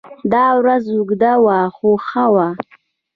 دا ورځ اوږده وه خو ښه وه.